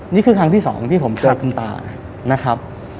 นี่คือครั้งที่สองที่ผมเจอคุณตานะครับ